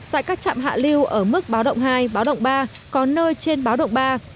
tại các trạm hạ liêu ở mức báo động hai báo động ba có nơi trên báo động ba